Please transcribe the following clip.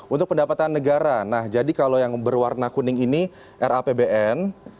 untuk pendapatan negara nah jadi kalau yang berwarna kuning ini rapbn